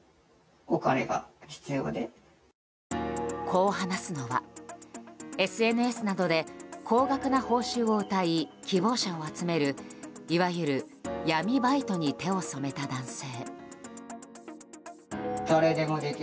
こう話すのは、ＳＮＳなどで高額な報酬をうたい希望者を集める、いわゆる闇バイトに手を染めた男性。